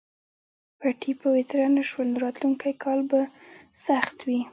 پټي به وتره نه شول نو راتلونکی کال به سخت وي.